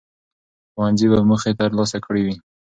ښوونځي به موخې ترلاسه کړي وي.